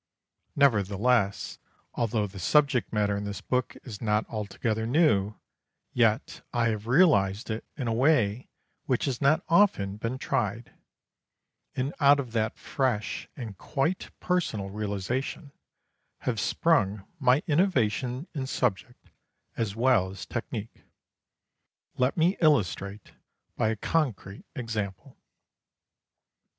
Nevertheless, although the subject matter in this book is not altogether new, yet I have realized it in a way which has not often been tried, and out of that fresh and quite personal realization have sprung my innovations in subject as well as technique. Let me illustrate by a concrete example.